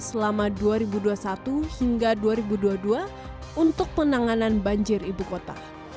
selama dua ribu dua puluh satu hingga dua ribu dua puluh dua untuk penanganan banjir ibu kota